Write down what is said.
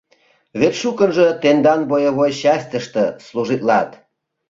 Вет шукынжо тендан боевой частьыште служитлат.